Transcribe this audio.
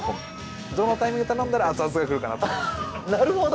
どのタイミングで頼んだら熱々がなるほど。